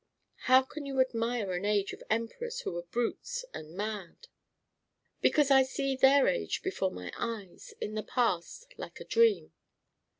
"How can you admire an age of emperors who were brutes and mad?" "Because I see their age before my eyes, in the past, like a dream."